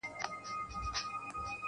• سهار ډکه هدیره سي له زلمیو شهیدانو -